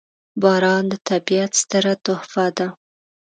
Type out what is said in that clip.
• باران د طبیعت ستره تحفه ده.